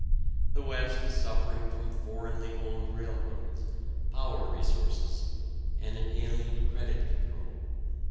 The West is suffering from foreignly owned railroads, power resources, and an alien credit control.